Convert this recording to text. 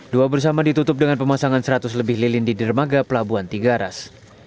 dua bersama ditutup dengan pemasangan seratus lebih lilin di dermaga pelabuhan tiga ras